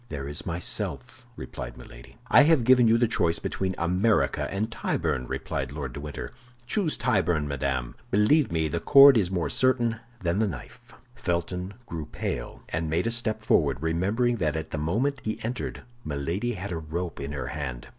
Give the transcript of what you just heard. "There is myself," replied Milady. "I have given you the choice between America and Tyburn," replied Lord de Winter. "Choose Tyburn, madame. Believe me, the cord is more certain than the knife." Felton grew pale, and made a step forward, remembering that at the moment he entered Milady had a rope in her hand.